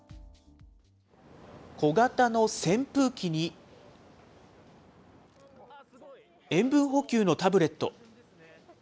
小型の扇風機に、塩分補給のタブレット。